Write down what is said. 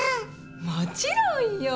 もちろんよ。